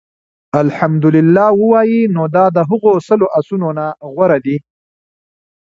اَلْحَمْدُ لِلَّه ووايي، نو دا د هغو سلو آسونو نه غوره دي